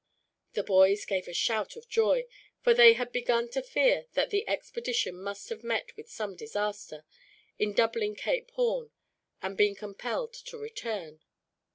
The boys gave a shout of joy, for they had begun to fear that the expedition must have met with some disaster, in doubling Cape Horn, and been compelled to return.